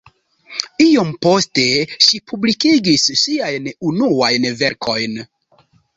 Iom poste ŝi publikigis siajn unuajn verkojn.